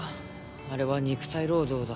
あれは肉体労働だ